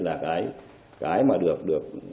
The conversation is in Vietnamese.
là cái mà được